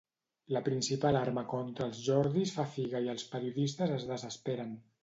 La principal arma contra els Jordis fa figa i els periodistes es desesperen.